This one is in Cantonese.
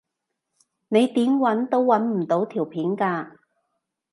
你點搵都搵唔到條片㗎